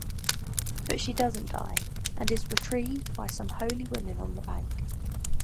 But she doesn't die, and is retrieved by some holy women on the bank.